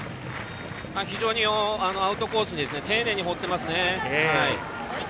非常にアウトコースに丁寧に放っていますね。